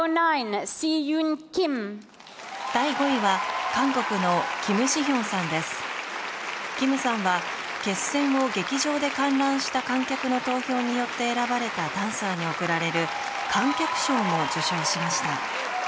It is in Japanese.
ＳｅｅｈｙｕｎＫＩＭ．キムさんは決選を劇場で観覧した観客の投票によって選ばれたダンサーに贈られる「観客賞」も受賞しました。